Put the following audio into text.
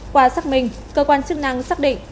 qua xác minh cơ quan chức năng xác định